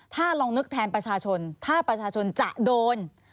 ถ้าลองนึกแทนประชาชนถ้าประชาชนจะโดน